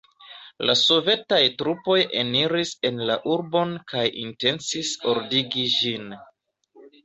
La sovetaj trupoj eniris en la urbon kaj intencis ordigi ĝin.